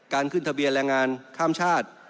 ขึ้นทะเบียนแรงงานข้ามชาติ